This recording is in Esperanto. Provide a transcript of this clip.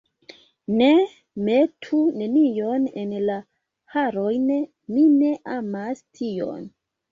Ne, metu nenion en la harojn, mi ne amas tion.